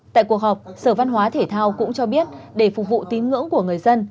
tại cuộc họp sở văn hóa thể thao cũng cho biết để phục vụ tín ngưỡng của người dân